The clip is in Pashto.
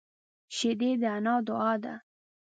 شیدې د انا دعا ده